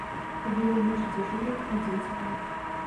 Таму я ўначы дзяжурыў, удзень спаў.